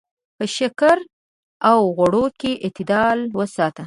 په شکر او غوړو کې اعتدال وساته.